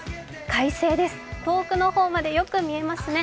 快晴です、遠くの方までよく見えますね。